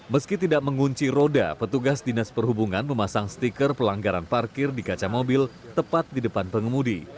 meski tidak mengunci roda petugas dinas perhubungan memasang stiker pelanggaran parkir di kaca mobil tepat di depan pengemudi